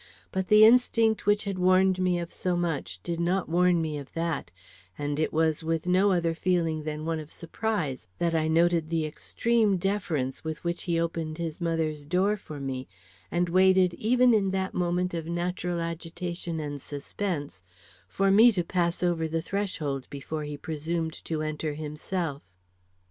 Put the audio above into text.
But the instinct which had warned me of so much, did not warn me of that, and it was with no other feeling than one of surprise that I noted the extreme deference with which he opened his mother's door for me, and waited even in that moment of natural agitation and suspense for me to pass over the threshold before he presumed to enter himself.